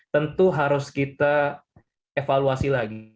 tentu harus kita evaluasi lagi